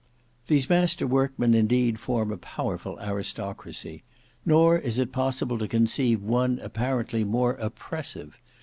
These master workmen indeed form a powerful aristocracy, nor is it possible to conceive one apparently more oppressive.